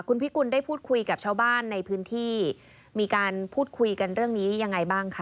คุณพิกุลได้พูดคุยกับชาวบ้านในพื้นที่มีการพูดคุยกันเรื่องนี้ยังไงบ้างคะ